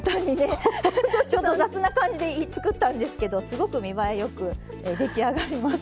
ちょっと雑な感じで作ったんですけどすごく見栄えよく出来上がります。